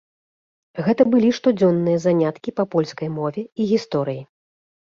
Гэта былі штодзённыя заняткі па польскай мове і гісторыі.